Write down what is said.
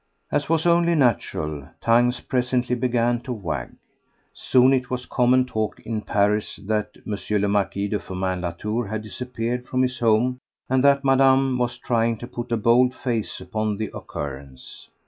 As was only natural, tongues presently began to wag. Soon it was common talk in Paris that M. le Marquis de Firmin Latour had disappeared from his home and that Madame was trying to put a bold face upon the occurrence.